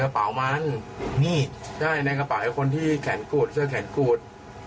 กับเชื้อแค่นคูด